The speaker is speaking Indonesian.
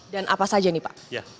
dan apa saja nih pak